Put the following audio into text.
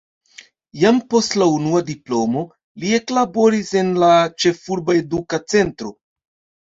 Jam post la unua diplomo li eklaboris en la ĉefurba eduka centro.